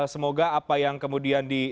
semoga apa yang kemudian